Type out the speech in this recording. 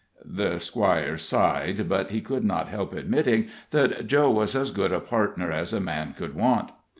The Squire sighed, but he could not help admitting that Joe was as good a partner as a man could want.